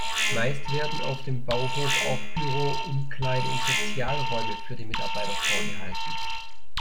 Meist werden auf dem Bauhof auch Büro-, Umkleide- und Sozialräume für die Mitarbeiter vorgehalten.